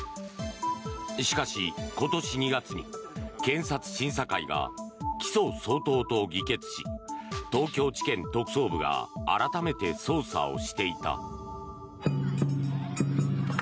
しかし、今年２月に検察審査会が起訴相当と議決し東京地検特捜部が改めて捜査をしていた。